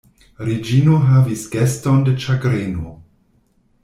Reĝino havis geston de ĉagreno.